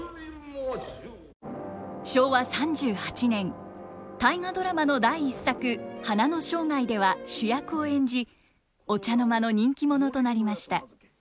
昭和３８年「大河ドラマ」の第１作「花の生涯」では主役を演じお茶の間の人気者となりました。